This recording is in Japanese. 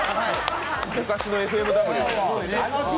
昔のＦＭＷ。